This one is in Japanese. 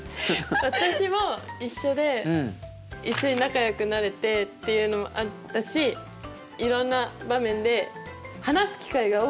私も一緒で一緒に仲よくなれてっていうのもあったしいろんな場面で話す機会が多くなったなって思いました。